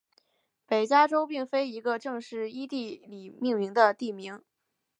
北加州并非一个正式依地理命名的地名。